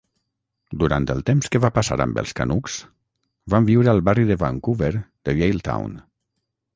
Durant el temps que va passar amb els Canucks, van viure al barri de Vancouver de Yaletown.